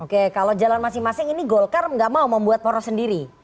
oke kalau jalan masing masing ini golkar nggak mau membuat poros sendiri